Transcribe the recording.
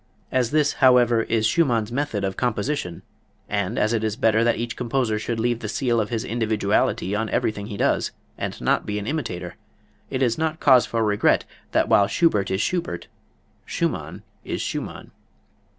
As this, however, is Schumann's method of composition, and as it is better that each composer should leave the seal of his individuality on everything he does, and not be an imitator, it is not cause for regret that while Schubert is Schubert, Schumann is Schumann.